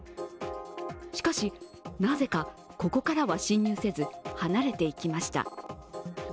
しかし、なぜかここからは侵入せず離れていきました。